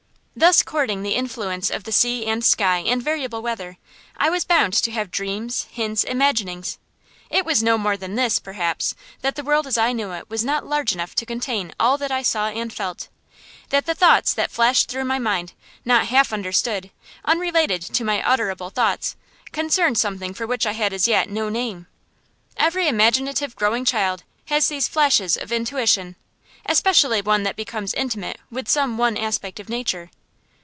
Thus courting the influence of sea and sky and variable weather, I was bound to have dreams, hints, imaginings. It was no more than this, perhaps: that the world as I knew it was not large enough to contain all that I saw and felt; that the thoughts that flashed through my mind, not half understood, unrelated to my utterable thoughts, concerned something for which I had as yet no name. Every imaginative growing child has these flashes of intuition, especially one that becomes intimate with some one aspect of nature.